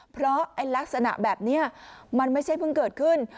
เพราะลักษณะแบบนี้มันไม่ใช่เพิ่งเกิดขึ้น